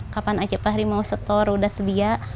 kapan aja fahri mau setor udah sedia